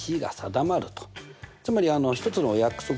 つまり一つの約束